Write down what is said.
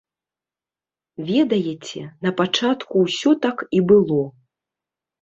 Ведаеце, на пачатку ўсё так і было.